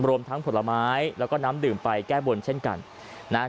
รวมทั้งผลไม้แล้วก็น้ำดื่มไปแก้บนเช่นกันนะฮะ